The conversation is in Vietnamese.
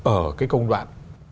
ở cái công đoạn